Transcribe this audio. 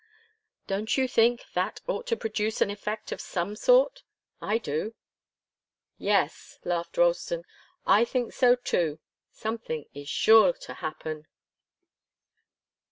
Don't you think that ought to produce an effect of some sort? I do." "Yes," laughed Ralston, "I think so, too. Something is certainly sure to happen."